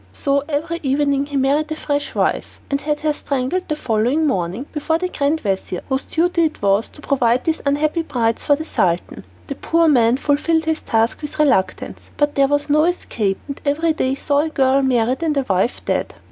So every evening he married a fresh wife and had her strangled the following morning before the grand vizir, whose duty it was to provide these unhappy brides for the Sultan. The poor man fulfilled his task with reluctance, but there was no escape, and every day saw a girl married and a wife dead.